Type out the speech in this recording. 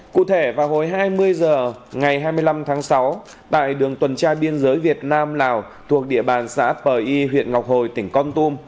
cụ thể vào hồi hai mươi h ngày hai mươi năm tháng sáu tại đường tuần tra biên giới việt nam lào thuộc địa bàn xã pờ y huyện ngọc hồi tỉnh con tum